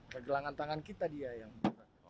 ke gelangan tangan kita dia yang main